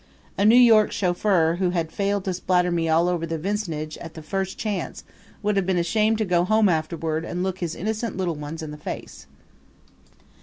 A New York chauffeur who had failed to splatter me all over the vicinage at the first chance would have been ashamed to go home afterward and look his innocent little ones in the face.